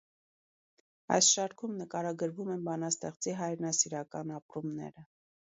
Այս շարքում նկարագրվում են բանաստեղծի հայրենասիրական ապրումները։